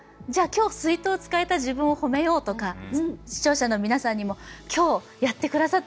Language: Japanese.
今日水筒を使えた自分を褒めようとか視聴者の皆さんにも今日やってくださったんですね